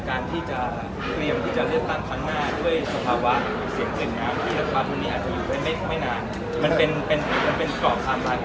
ก็แหละท่านหัวหน้าไปได้นะครับ